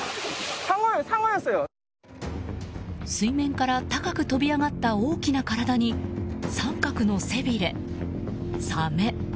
水面から高く飛び上がった大きな体に三角の背びれ、サメ。